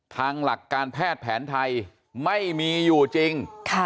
ทางหลักการแพทย์แผนไทยไม่มีอยู่จริง